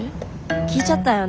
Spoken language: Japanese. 聞いちゃったんよね。